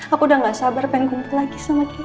aku udah gak sabar penggumplah lagi sama gresia